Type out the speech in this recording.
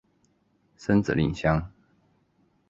生子令香。